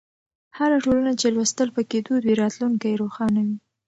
هره ټولنه چې لوستل پکې دود وي، راتلونکی یې روښانه وي.